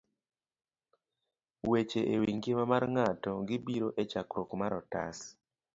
Weche e Wi Ngima mar Ng'ato.gibiro e chakruok mar otas